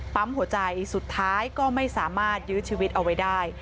ปั๊มหัวใจสุดท้ายก็ไม่สามารถยื้อชีวิตเอาไว้ได้